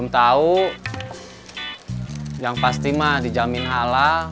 tahu yang pasti mah dijamin halal